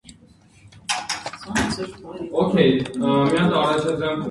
Нельзя переоценить необходимость международного сотрудничества в деле обеспечения общественного здоровья.